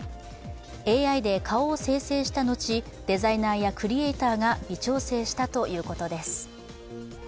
ＡＩで顔を生成した後、デザイナーやクリエーターが微調整したということです。